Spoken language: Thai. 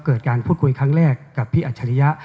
การพูดคุยครั้งแรกกับพี่อัจฉริยะ